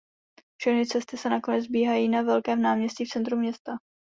Všechny cesty se nakonec sbíhají na velkém náměstí v centru města.